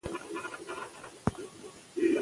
ډېری خلک له کرکې لرونکو کارونو ډډه کوي.